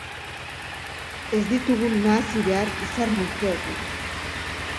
Ez ditugu nahasi behar izar-multzoekin.